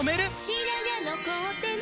「白髪残ってない！」